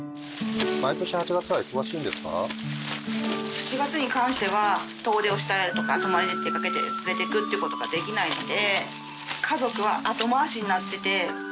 ８月に関しては遠出をしたりとか泊まりで出かけて連れていくって事ができないので。